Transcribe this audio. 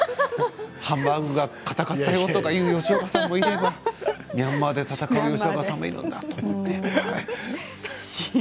ハンバーグがかたかったよという吉岡さんもいればミャンマーで闘う吉岡さんもいるなと思って。